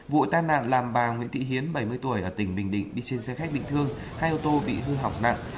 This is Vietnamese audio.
vụ tai nạn làm bà nguyễn thị hiến bảy mươi tuổi ở tỉnh bình định đi trên xe khách bị thương hai ô tô bị hư hỏng nặng